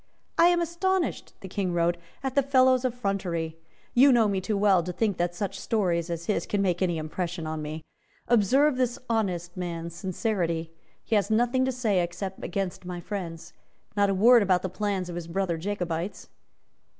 "I am astonished," the King wrote, "at the fellow's effrontery. You know me too well to think that such stories as his can make any impression on me. Observe this honest man's sincerity. He has nothing to say except against my friends. Not a word about the plans of his brother Jacobites."